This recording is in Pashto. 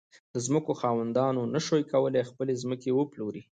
د ځمکو خاوندانو نه شوای کولای خپلې ځمکې وپلوري.